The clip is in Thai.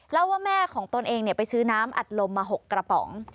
แล้วว่าแม่ของตนเองไปซื้อน้ำอัดลมมา๖กระป๋อง